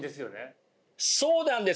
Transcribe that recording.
そうなんです。